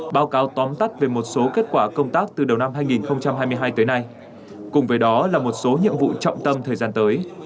báo cáo tóm tắt về một số kết quả công tác từ đầu năm hai nghìn hai mươi hai tới nay cùng với đó là một số nhiệm vụ trọng tâm thời gian tới